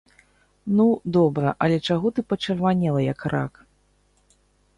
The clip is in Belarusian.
Ну, добра, але чаго ты пачырванела як рак!